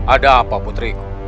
ada apa putriku